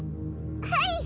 はい。